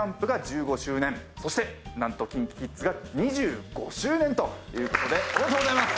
そして何とＫｉｎＫｉＫｉｄｓが２５周年ということでおめでとうございます。